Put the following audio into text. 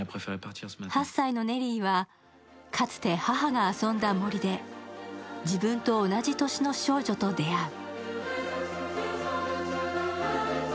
８歳のネリーは、かつて母が遊んだ森で自分と同じ年の少女と出会う。